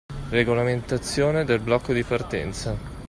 Regolamentazione del blocco di partenza